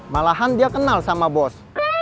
malahan dia kenal sama bos